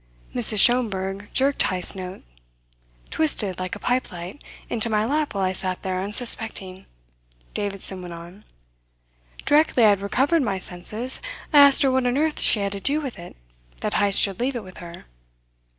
"Mrs. Schomberg jerked Heyst's note, twisted like a pipe light, into my lap while I sat there unsuspecting," Davidson went on. "Directly I had recovered my senses, I asked her what on earth she had to do with it that Heyst should leave it with her.